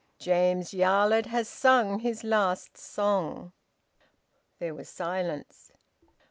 James Yarlett has sung his last song." There was silence.